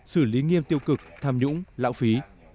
xử lý nghiêm tiêu cực tham nhũng lãng phí